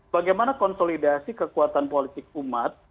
bagaimana konsolidasi kekuatan politik umat